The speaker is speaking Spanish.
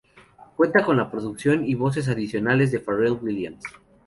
Cuenta con la producción y voces adicionales de Pharrell Williams.